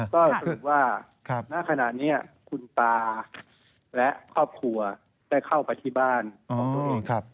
ก็สรุปว่าณขณะนี้คุณตาและครอบครัวได้เข้าไปที่บ้านของตัวเอง